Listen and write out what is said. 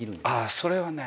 それはね